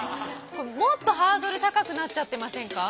もっとハードル高くなっちゃってませんか？